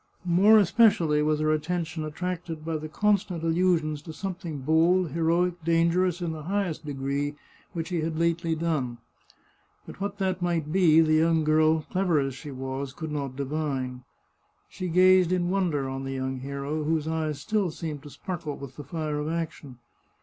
More especially was her attention attracted by the constant allusions to something bold, heroic, dangerous in the highest degree, which he had lately done. But what that might be the young girl, clever as she was, could not divine. She gazed in wonder on the young hero, whose eyes still seemed to sparkle with the fire of action.